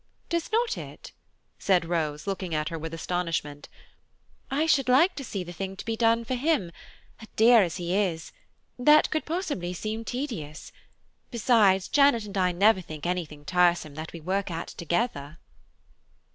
"Does not it?" said Rose, looking at her with astonishment; "I should like to see the thing to be done for him–a dear as he is–that could possibly seem tedious. Besides Janet and I never think anything tiresome that we work at together."